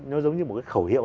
nó giống như một cái khẩu hiệu